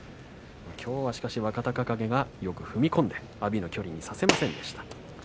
きょうは若隆景がよく踏み込んでいき、阿炎の距離にさせませんでした。